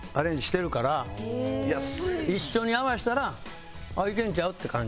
一緒に合わせたらいけんちゃうって感じ。